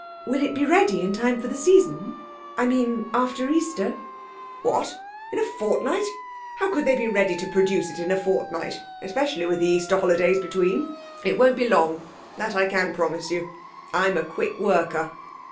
'Will it be ready in time for the season I mean after Easter?' 'What! in a fortnight? How could they be ready to produce it in a fortnight, especially with the Easter holidays between? It won't be long, that I can promise you. I'm a quick worker.'